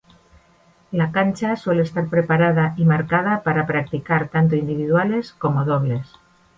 La cancha suele estar preparada y marcada para practicar tanto individuales como dobles.